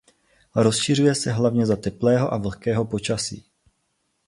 Rozšiřuje se hlavně za teplého a vlhkého počasí.